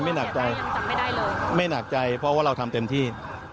ไม่หนักใจไม่หนักใจเพราะว่าเราทำเต็มที่